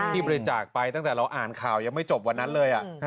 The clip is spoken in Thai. บริจาคไปตั้งแต่เราอ่านข่าวยังไม่จบวันนั้นเลย